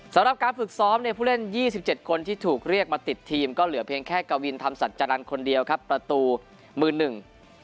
สำหรับการฝึกซ้อมในผู้เล่นยี่สิบเจ็ดคนที่ถูกเรียกมาติดทีมก็เหลือเพียงแค่กวินธรรมสัจจรรย์คนเดียวครับประตูมือหนึ่ง